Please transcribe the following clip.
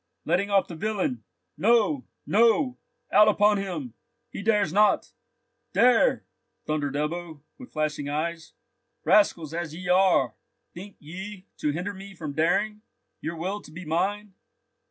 "Letting off the villain! No! No! Out upon him! He dares not!" "Dare!" thundered Ebbo, with flashing eyes. "Rascals as ye are, think ye to hinder me from daring? Your will to be mine?